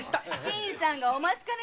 新さんがお待ちかねだよ。